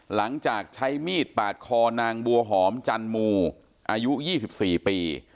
หลังจากใช้มีดปาดคอนางบัวหอมจันมูอายุ๒๔ปี